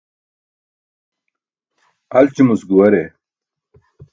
Alćumuc guware.